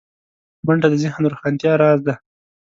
منډه د ذهن روښانتیا راز دی